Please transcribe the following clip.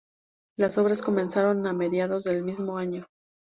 Las obras comenzaron a mediados del mismo año.